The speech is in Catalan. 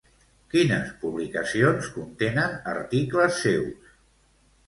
Quines publicacions contenen articles seus?